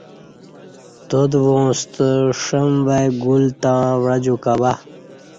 تادواں ستہ ݜم وای گول تں وعجو کہ با